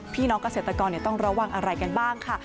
พี่น้องเกษตรกรต้องระวังอะไรกันบ้างค่ะ